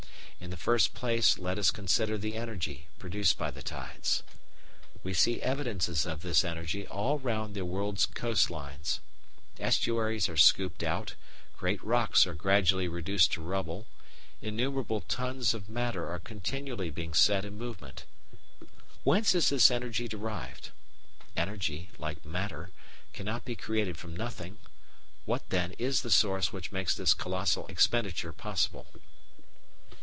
In the first place let us consider the energy produced by the tides. We see evidences of this energy all round the word's coastlines. Estuaries are scooped out, great rocks are gradually reduced to rubble, innumerable tons of matter are continually being set in movement. Whence is this energy derived? Energy, like matter, cannot be created from nothing; what, then, is the source which makes this colossal expenditure possible.